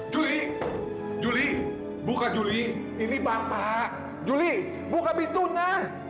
juli juli buka juli ini bapak juli buka pintunya